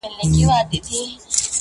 هغه زه یم هغه ښار هغه به دی وي!.